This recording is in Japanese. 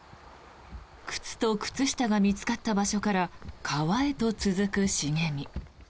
靴と靴下が見つかった場所から川へと続く茂み。